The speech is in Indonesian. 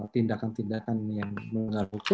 tindakan tindakan yang mengarut